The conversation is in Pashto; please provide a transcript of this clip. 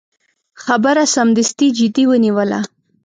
خبره سمدستي جدي ونیوله.